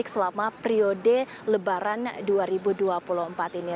selama periode lebaran dua ribu dua puluh empat ini